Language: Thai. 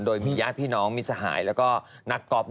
โดยมีญาติพี่น้องมิสหายแล้วก็นักก๊อฟ